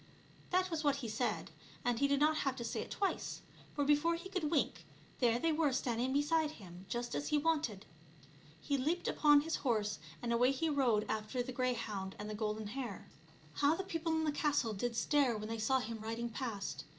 That was what he said, and he did not have to say it twice ; for before he could wink there they were standing beside him just as he wanted. He leaped upon his horse and away he rode after the greyhound and the golden hare. How the people in the castle did stare when they saw him riding past